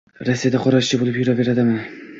Rossiyada qora ishchi bo‘lib yuraveradimi?